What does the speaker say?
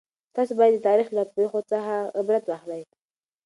تاسو باید د تاریخ له پېښو څخه عبرت واخلئ.